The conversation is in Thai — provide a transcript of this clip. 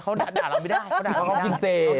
เขาหนะด่ารับไม่ได้เขาด่าเขากินเจน